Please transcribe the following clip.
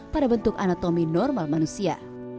pada bentuk anatomi normal manusia